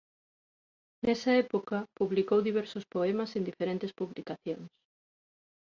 Nesa época publicou diversos poemas en diferentes publicacións.